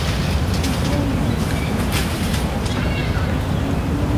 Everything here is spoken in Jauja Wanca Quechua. Mituwanmi mankakunata lupaakulqa.